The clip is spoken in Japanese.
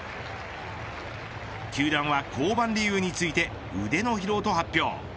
球団は、降板理由について腕の疲労と発表。